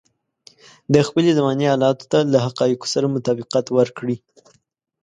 د خپلې زمانې حالاتو ته له حقايقو سره مطابقت ورکړي.